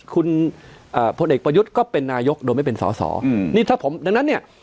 คุณเอ่อพลเอกประยุทธ์ก็เป็นนายกโดยไม่เป็นสอสอนี่ถ้าผมดังนั้นเนี่ย